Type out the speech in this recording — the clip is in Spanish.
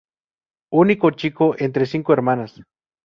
Único chico entre cinco hermanas.